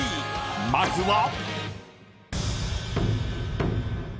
［まずは］